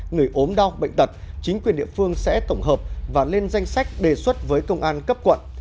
người ốm đau bệnh tật chính quyền địa phương sẽ tổng hợp và lên danh sách đề xuất với công an cấp quận